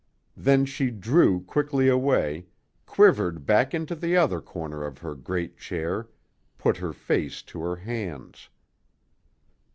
Then she drew quickly away, quivered back into the other corner of her great chair, put her face to her hands.